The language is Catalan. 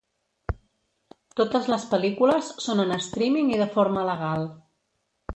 Totes les pel·lícules són en streaming i de forma legal.